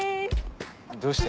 どうして。